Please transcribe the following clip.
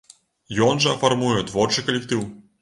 Ён жа фармуе творчы калектыў.